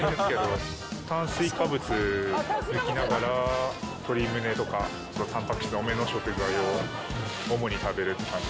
炭水化物抜きながら、鶏むねとか、たんぱく質多めの食材を主に食べるっていう感じ。